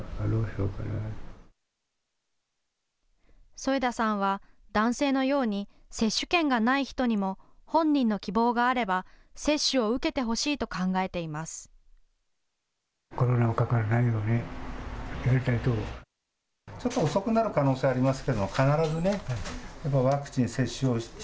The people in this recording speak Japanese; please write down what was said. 副田さんは、男性のように接種券がない人にも本人の希望があれば接種を受けてほしいと考えています。